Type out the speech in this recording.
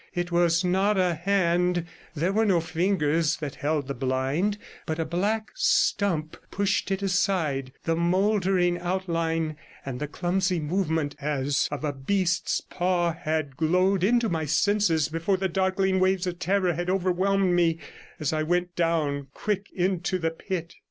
It was not a hand; there were no fingers that held the blind, but a black stump pushed it aside, the mouldering outline and the clumsy movement as of a beast's paw had glowed into my senses before the darkling waves of terror had overwhelmed me as I went down quick into the pit.